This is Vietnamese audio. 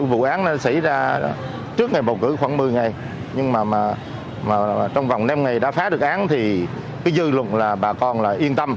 vụ án xảy ra trước ngày bầu cử khoảng một mươi ngày nhưng mà trong vòng năm ngày đã phá được án thì cái dư luận là bà con là yên tâm